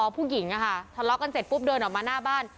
ผู้หญิงทะเลาะกันเสร็จปุ๊บเดินออกมาหน้าบ้าน